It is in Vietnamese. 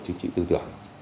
chính trị tư tưởng